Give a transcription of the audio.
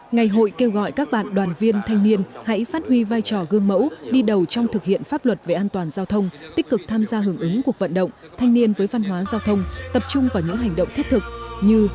ngày hội kêu gọi các bạn đoàn viên thanh niên hãy phát huy vai trò gương mẫu đi đầu trong thực hiện pháp luật về an toàn giao thông tích cực tham gia hưởng ứng cuộc vận động thanh niên với văn hóa giao thông tập trung vào những hành động thiết thực như